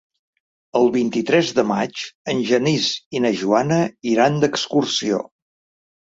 El vint-i-tres de maig en Genís i na Joana iran d'excursió.